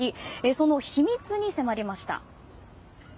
その秘密に迫りました。